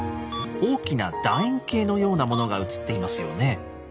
大きなだ円形のようなものが映っていますよね。